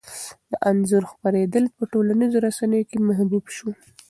د انځور خپرېدل په ټولنیزو رسنیو کې محبوب شو.